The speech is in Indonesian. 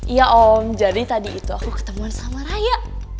iya om jadi tadi itu aku ketemu sama raya